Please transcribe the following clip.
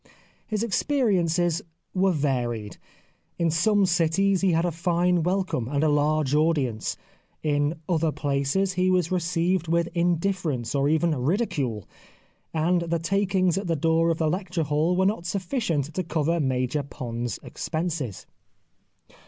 His experiences were varied. In some cities he had a fine welcome, and a large audience ; in other places he was received with indifference, or even ridicule, and the takings at the door of the lecture hall were not sufficient to cover Major Pond's expenses.